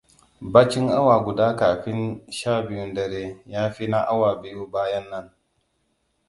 Baccin awa guda kafin shabiyun dare ya fi na awa biyu bayan nan.